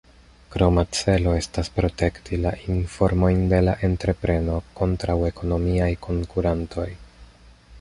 Kroma celo estas protekti la informojn de la entrepreno kontraŭ ekonomiaj konkurantoj.